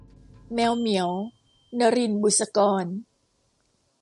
แมวเหมียว - นลิน บุษกร